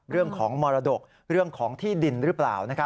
เรื่องของมรดกเรื่องของที่ดินหรือเปล่า